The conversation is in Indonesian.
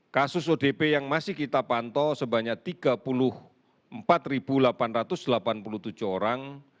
kasus odp yang masih kita pantau sebanyak tiga puluh empat delapan ratus delapan puluh tujuh orang